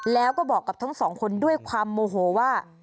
แล้วก็บอกกับทั้งสองคนด้วยความโมโหว่า